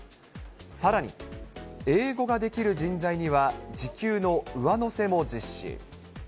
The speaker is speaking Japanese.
さらに、英語ができる人材には時給の上乗せも実施。